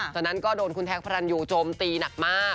ตอนนั้นก็โดนคุณแท็กพระรันยูโจมตีหนักมาก